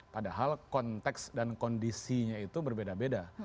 padahal konteks dan kondisinya itu berbeda beda